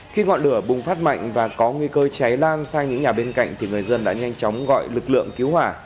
khi ngọn lửa bùng phát mạnh và có nguy cơ cháy lan sang những nhà bên cạnh thì người dân đã nhanh chóng gọi lực lượng cứu hỏa